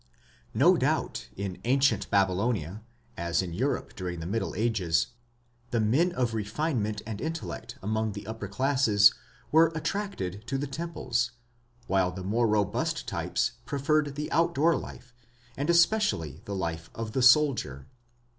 No doubt in ancient Babylonia, as in Europe during the Middle Ages, the men of refinement and intellect among the upper classes were attracted to the temples, while the more robust types preferred the outdoor life, and especially the life of the soldier.